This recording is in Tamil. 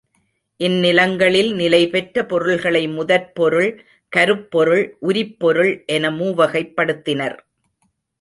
இந்நிலங்களில் நிலைபெற்ற பொருள்களை முதற்பொருள், கருப்பொருள், உரிப்பொருள் என மூவகைப் படுத்தினர்.